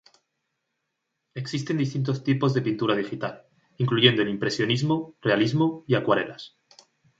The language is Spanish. Existen distintos tipos de pintura digital, incluyendo el impresionismo, realismo y acuarelas.